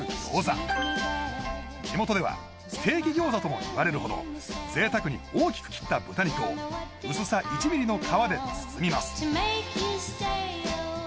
地元ではステーキ餃子ともいわれるほど贅沢に大きく切った豚肉を薄さ１ミリの皮で包みます